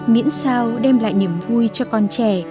miễn sao đem lại niềm vui cho con trẻ